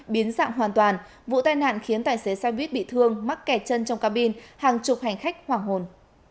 biến dạng hoàn toàn vụ tai nạn khiến tài xế xe buýt bị thương mắc kẹt chân trong cabin hàng chục hành khách hoảng hồn